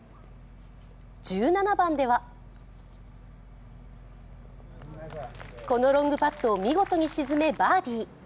１７番ではこのロングパッドを見事に沈めバーディー。